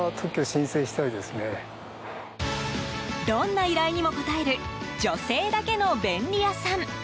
どんな依頼にも応える女性だけの便利屋さん。